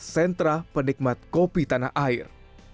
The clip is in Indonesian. sentra penikmat kopi tanah air